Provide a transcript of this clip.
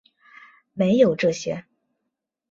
没有这些